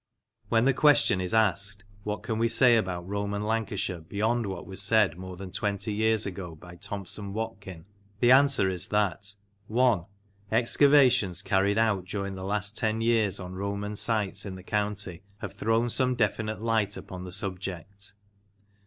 When the question is asked, What can we say about Roman Lancashire beyond what was said more than twenty years ago by Thompson Watkin ? the answer is that (i.) excavations carried out during the last ten years on Roman sites in the county have thrown some definite light upon the subject; (ii.)